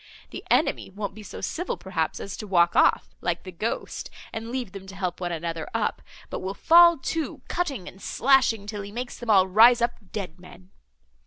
The enemy won't be so civil, perhaps, as to walk off, like the ghost, and leave them to help one another up, but will fall to, cutting and slashing, till he makes them all rise up dead men.